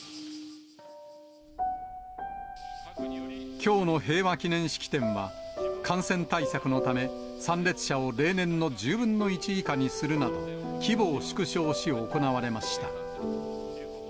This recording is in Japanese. きょうの平和記念式典は、感染対策のため、参列者を例年の１０分の１以下にするなど、規模を縮小し行われました。